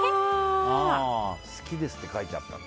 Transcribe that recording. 好きですって書いてあったんだ。